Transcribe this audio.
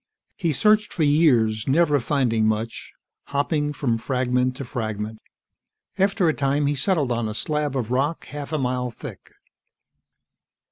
He searched for years, never finding much, hopping from fragment to fragment. After a time he settled on a slab of rock half a mile thick.